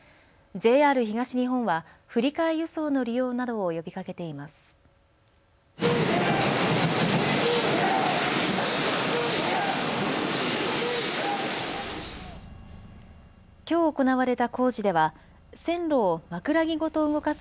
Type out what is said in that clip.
ＪＲ東日本は振り替え輸送の利用などを呼びかけています。